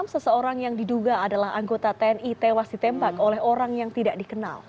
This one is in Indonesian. seseorang yang diduga adalah anggota tni tewas ditembak oleh orang yang tidak dikenal